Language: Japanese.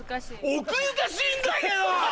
奥ゆかしいんだけど！